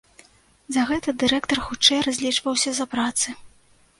За гэта дырэктар хутчэй разлічваўся за працы.